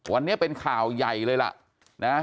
วันนี้เป็นข่าวใหญ่เลยล่ะนะ